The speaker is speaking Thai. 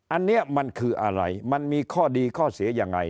อันนี้มันคืออะไรมันมีข้อดีข้อเสียยังไง